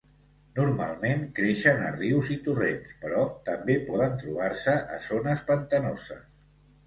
Normalment creixen a rius i torrents, però també poden trobar-se a zones pantanoses.